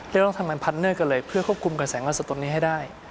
เราต้องทำงานพาร์ทเนอร์กันเลยเพื่อควบคุมกระแสเงินสดตรงนี้ให้ได้